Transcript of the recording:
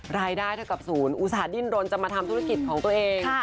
รายได้เท่ากับศูนย์อุตส่าหดิ้นรนจะมาทำธุรกิจของตัวเอง